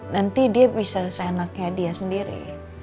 nanti dia bisa sayang nangka dia sendiri